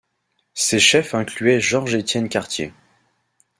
Ses chefs incluaient George-Étienne Cartier.